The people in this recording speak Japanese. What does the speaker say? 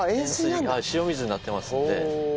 塩水になってますので。